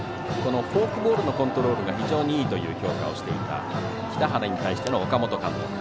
フォークボールのコントロールが非常にいいという評価をしていた北原に対しての岡本監督。